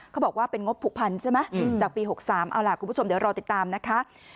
เขาบอกว่าเป็นงบผูกพันใช่ไหมจากปี๖๓เอาล่ะคุณผู้ชมเดี๋ยวรอติดตามนะคะ